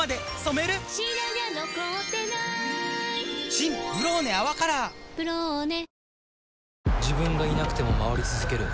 新「ブローネ泡カラー」「ブローネ」